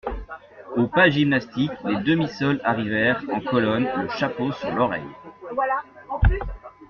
Au pas gymnastique, les demi-soldes arrivèrent, en colonne, le chapeau sur l'oreille.